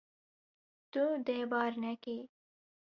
Tu dê bar nekî.